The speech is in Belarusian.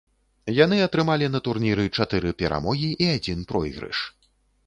Яны атрымалі на турніры чатыры перамогі і адзін пройгрыш.